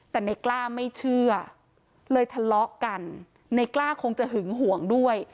แต่ในกล้าไม่เชื่อเลยทะเลาะกันในกล้าคงจะหึงห่วงด้วย